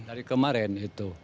dari kemarin itu